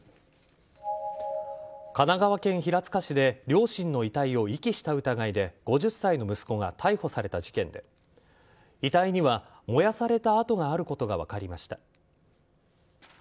神奈川県平塚市で両親の遺体を遺棄した疑いで５０歳の息子が逮捕された事件で遺体には燃やされた跡があることが分かりました。